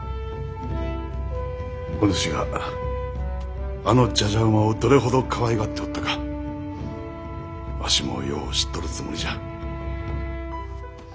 お主があのじゃじゃ馬をどれほどかわいがっておったかわしもよう知っとるつもりじゃ。